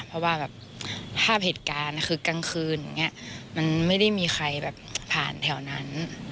เพราะว่าแบบภาพเหตุการณ์คือกลางคืนอย่างนี้มันไม่ได้มีใครแบบผ่านแถวนั้น